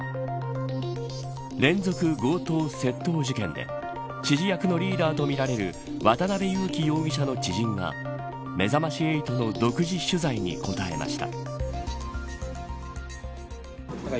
連続強盗・窃盗事件で指示役のリーダーとみられる渡辺優樹容疑者の知人がめざまし８の独自取材に答えました。